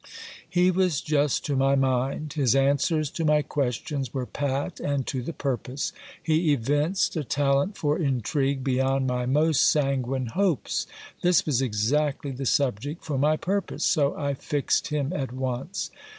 He was just to my mind. His answers to my questions were pat and to the purpose : he evinced a talent for intrigue beyond my most sanguine hopes. This was exactly the subject for my purpose ; so I fixed him at once.